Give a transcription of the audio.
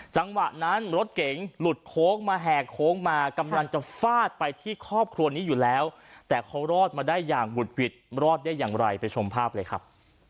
จังหวะนั้นรถเก๋งหลุดโค้งมาแห่โค้งมากำลังจะฟาดไปที่ครอบครัวนี้อยู่แล้วแต่เขารอดมาได้อย่างบุดหวิดรอดได้อย่างไรไปชมภาพเลยครับ